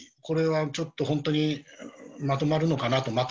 これはちょっとほんとにまとまるのかなと。